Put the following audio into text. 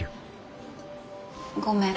ごめん。